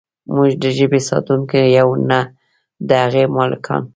موږ د ژبې ساتونکي یو نه د هغې مالکان.